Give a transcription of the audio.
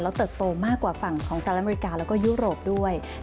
เติบโตมากกว่าฝั่งของสหรัฐอเมริกาแล้วก็ยุโรปด้วย